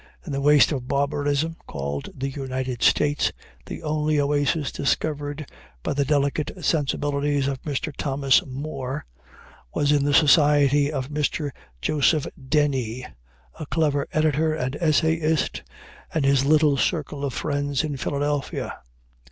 In the waste of barbarism called the United States, the only oasis discovered by the delicate sensibilities of Mr. Thomas Moore was in the society of Mr. Joseph Dennie, a clever editor and essayist, and his little circle of friends in Philadelphia.